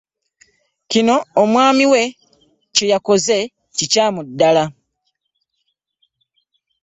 Kino omwami wo kye yakoze kikyamu ddala.